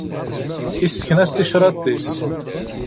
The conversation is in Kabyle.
Yessken-as ticraḍ-is.